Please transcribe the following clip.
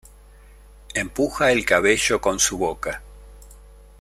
Empuja el cabello con su boca.